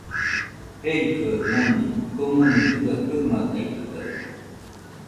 Jeikɨaɨ mona, konima dɨga kaɨmaitaitɨkaɨ